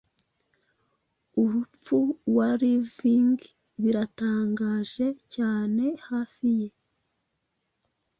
Urupfuwavring Biratangaje cyane hafi ye